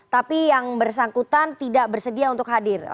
tapi yang bersangkutan tidak bersedia untuk hadir